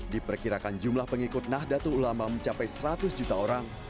diperkirakan jumlah pengikut nahdlatul ulama mencapai seratus juta orang